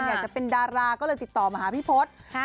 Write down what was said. อยากจะเป็นดาราก็เลยติดต่อมาหาพี่พศ